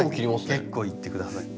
はい結構いって下さい。